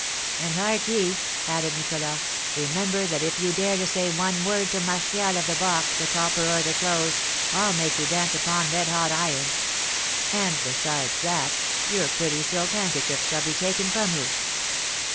"And hark ye," added Nicholas, "remember that if you dare to say one word to Martial of the box, the copper, or the clothes, I'll make you dance upon red hot iron; and, besides that, your pretty silk handkerchiefs shall be taken from you."